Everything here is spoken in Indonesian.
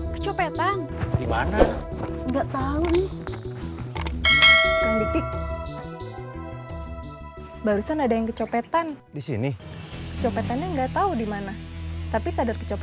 kan bisa aja akan dibikin kelihatan serius